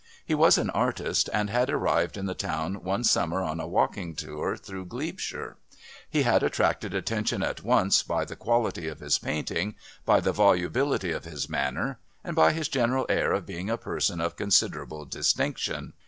He was an artist, and had arrived in the town one summer on a walking tour through Glebeshire. He had attracted attention at once by the quality of his painting, by the volubility of his manner, and by his general air of being a person of considerable distinction.